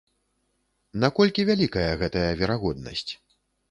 Наколькі вялікая гэтая верагоднасць?